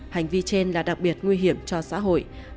hành vi trên là đặc biệt nguy hiểm cho xã hội